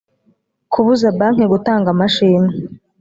kubuza banki gutanga amashimwe